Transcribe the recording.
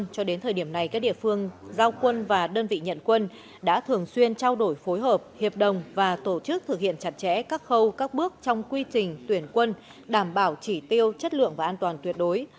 cho đến thời điểm này các địa phương giao quân và đơn vị nhận quân đã thường xuyên trao đổi phối hợp hiệp đồng và tổ chức thực hiện chặt chẽ các khâu các bước trong quy trình tuyển quân đảm bảo chỉ tiêu chất lượng và an toàn tuyệt đối